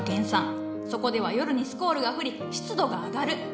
そこでは夜にスコールが降り湿度が上がる。